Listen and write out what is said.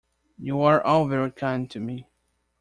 You are all very kind to me.